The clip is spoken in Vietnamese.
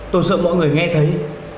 tôi sợ mọi người nghe thấy